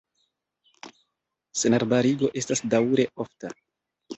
Senarbarigo estas daŭre ofta.